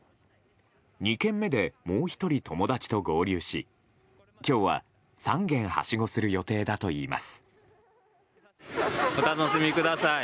２軒目でもう１人友達と合流し今日は、３軒はしごする予定だといいます。